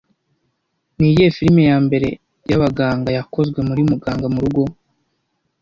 Niyihe filime ya mbere yabaganga yakozwe muri Muganga murugo